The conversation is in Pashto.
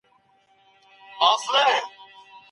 مخکي يې ممکنه ده مخ هم نه وي لوڅ کړی.